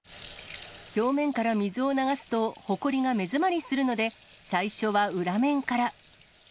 表面から水を流すと、ほこりが目詰まりするので、最初は裏面から。